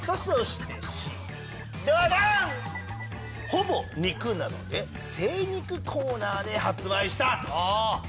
「ほぼ肉なので精肉コーナーで発売した」